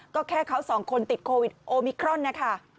ก็แค่เขาสองคนติดโควิดโอมิครอนนะคะ